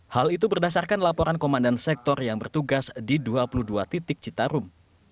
hal itu berdasarkan laporan komandan sektor yang bertugas di dua puluh dua titik citarum